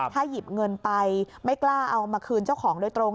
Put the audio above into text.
ถ้าหยิบเงินไปไม่กล้าเอามาคืนเจ้าของโดยตรง